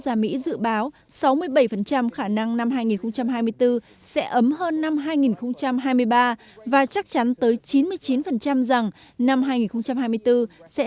gia mỹ dự báo sáu mươi bảy khả năng năm hai nghìn hai mươi bốn sẽ ấm hơn năm hai nghìn hai mươi ba và chắc chắn tới chín mươi chín rằng năm hai nghìn hai mươi bốn sẽ